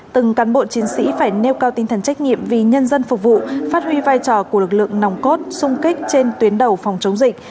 từng cán bộ chiến sĩ phải nêu cao tinh thần trách nhiệm vì nhân dân phục vụ phát huy vai trò của lực lượng nòng cốt sung kích trên tuyến đầu phòng chống dịch